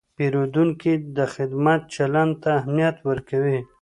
پیرودونکی د خدمت چلند ته اهمیت ورکوي.